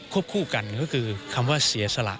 คู่กันก็คือคำว่าเสียสละ